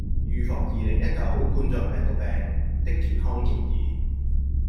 預防二零一九冠狀病毒病的健康建議